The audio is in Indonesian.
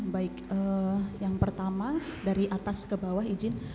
baik yang pertama dari atas ke bawah izin